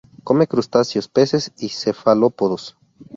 Come crustáceos, peces y cefalópodos.